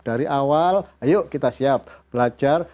dari awal ayo kita siap belajar